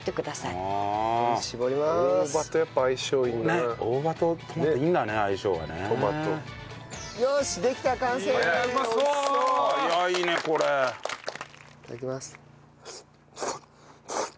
いただきます。